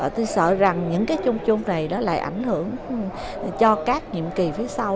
tôi sợ rằng những cái chung chung này nó lại ảnh hưởng cho các nhiệm kỳ phía sau